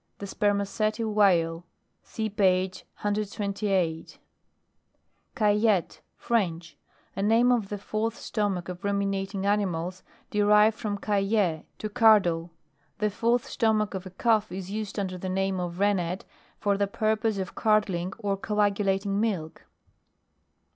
The spermaceti whale. (See page 128.) CAILLETTE. French. A name of the fourth stomach of Ruminating ani mals, derived from cailler, to cur dle. The fourth stomach of a calf, is used under the name of rennet, for the purpose of curdling or co agulating milk.